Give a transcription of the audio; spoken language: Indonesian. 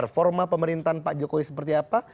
forma pemerintahan pak jokowi seperti apa